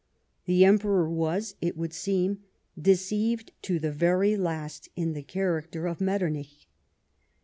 The Em peror was, it would seem, deceived to the very last in the character of Metternich.